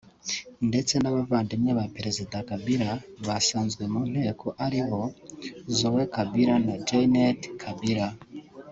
ndetse n’abavandimwe ba Perezida Kabila basanzwe mu nteko ari bo Zoé Kabila na Jaynet Kabila